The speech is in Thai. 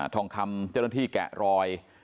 ทองคำเจ้าหน้าที่แกะรอย